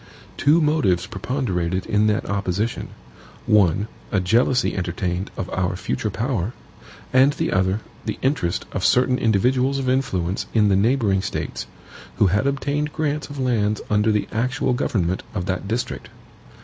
Two motives preponderated in that opposition: one, a jealousy entertained of our future power; and the other, the interest of certain individuals of influence in the neighboring States, who had obtained grants of lands under the actual government of that district.